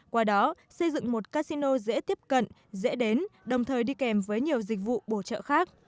qua đó xây dựng một casino dễ tiếp cận dễ đến đồng thời đi kèm với nhiều dịch vụ bổ trợ khác